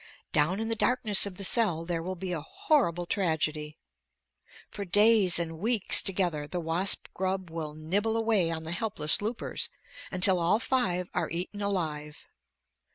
Down in the darkness of the cell, there will be a horrible tragedy. For days and weeks together the wasp grub will nibble away on the helpless loopers until all five are eaten alive!